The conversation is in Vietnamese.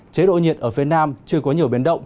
chế độ nhiệt ở phía nam chưa có nhiều biến động